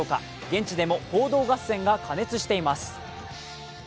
現地でも報道合戦が過熱しています。